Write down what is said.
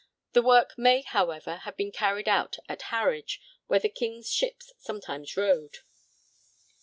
The work may, however, have been carried out at Harwich, where the King's ships sometimes rode.